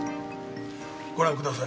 ご覧ください。